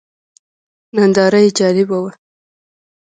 ننداره یې جالبه وه.